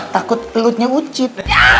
takut pelutnya ucit